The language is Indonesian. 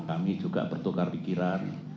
kami juga bertukar pikiran